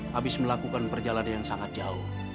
habis melakukan perjalanan yang sangat jauh